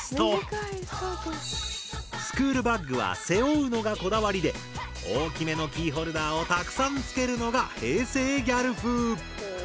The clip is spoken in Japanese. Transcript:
スクールバッグは背負うのがこだわりで大きめのキーホルダーをたくさん付けるのが平成ギャル風。